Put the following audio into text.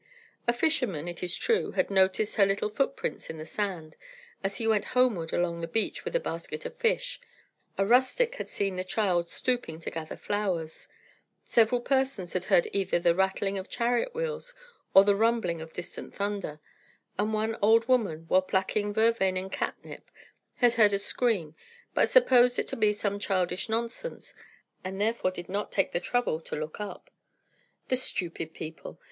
A fisherman, it is true, had noticed her little footprints in the sand, as he went homeward along the beach with a basket of fish; a rustic had seen the child stooping to gather flowers; several persons had heard either the rattling of chariot wheels or the rumbling of distant thunder; and one old woman, while plucking vervain and catnip, had heard a scream, but supposed it to be some childish nonsense, and therefore did not take the trouble to look up. The stupid people!